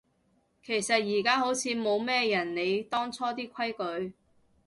其實而家好似冇咩人理當初啲規矩